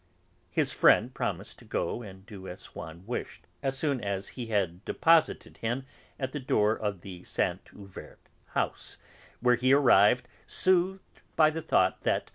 His friend promised to go and do as Swann wished as soon as he had deposited him at the door of the Saint Euverte house, where he arrived soothed by the thought that M.